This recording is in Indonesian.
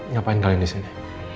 ngapain kalian disini